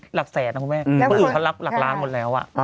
หลักแสนนะคุณแม่คนอื่นเขารับหลักล้านหมดแล้ว